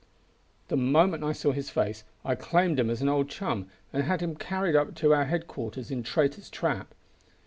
"The moment I saw his face I claimed him as an old chum, and had him carried up to our headquarters in Traitor's Trap.